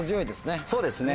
そうですね